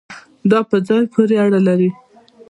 دا په ځای پورې اړه لري